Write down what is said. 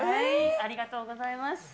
ありがとうございます。